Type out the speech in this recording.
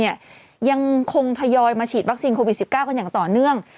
ยังคงทยอยมาฉีดวัคซีนโควิด๑๙กันอย่างต่อเนื่อง